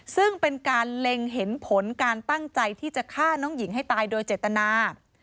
ซึ่งเป็นการเล็งเห็นผลการตั้งใจที่จะฆ่าน้องหญิงให้ตายโดยเจตนา